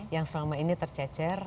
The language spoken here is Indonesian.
yang selama ini tercecer